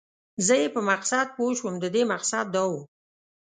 زه یې په مقصد پوه شوم، د دې مقصد دا و.